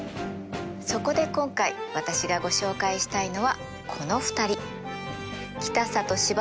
そこで今回私がご紹介したいのはこの２人。